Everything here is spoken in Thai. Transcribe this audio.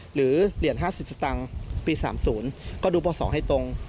หรือเหรียญ๕๐สตางค์ปี๓๐ก็ดูปศให้ตรง